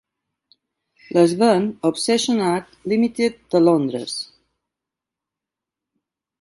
Les ven ObsessionArt Limited de Londres.